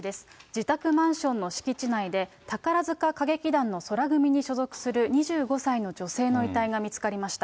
自宅マンションの敷地内で、宝塚歌劇団の宙組に所属する２５歳の女性の遺体が見つかりました。